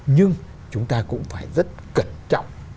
nhưng chúng ta cũng phải rất cẩn trọng